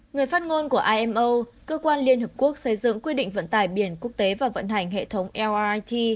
người phát ngôn của imo cơ quan liên hợp quốc xây dựng quy định vận tải biển quốc tế và vận hành hệ thống lit